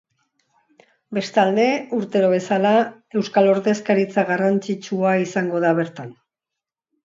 Bestalde, urtero bezala, euskal ordezkaritza garrantzistua izango dabertan.